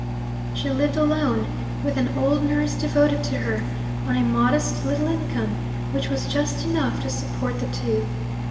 She lived alone with an old nurse devoted to her, on a modest little income which was just enough to support the two.